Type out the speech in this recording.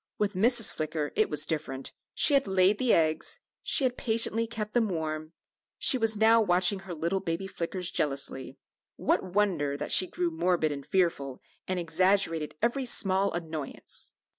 With Mrs. Flicker it was different; she had laid the eggs, she had patiently kept them warm; she was now watching her little baby Flickers jealously; what wonder that she grew morbid and fearful, and exaggerated every small annoyance!